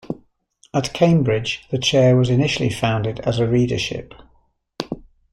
At Cambridge the chair was initially founded as a readership.